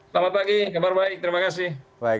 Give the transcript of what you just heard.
selamat pagi kabar baik terima kasih